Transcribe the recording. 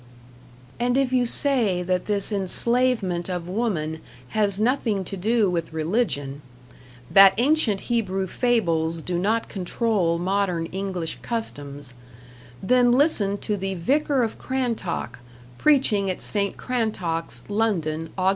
And if you say that this enslavement of Woman has nothing to do with religion that ancient Hebrew fables do not control modern English customs then listen to the Vicar of Crantock, preaching at St. Crantock's, London, Aug.